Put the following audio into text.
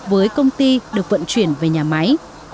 với công ty được vận chuyển về nhà máy